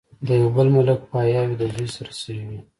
د يو بل ملک پاياوي د زوي سره شوې وه